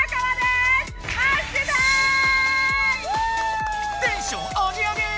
テンションアゲアゲ！